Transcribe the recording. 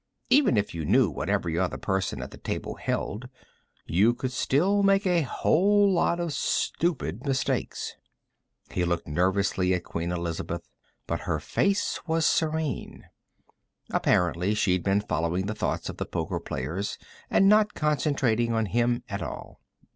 Even if you knew what every other person at the table held, you could still make a whole lot of stupid mistakes. He looked nervously at Queen Elizabeth, but her face was serene. Apparently she'd been following the thoughts of the poker players, and not concentrating on him at all.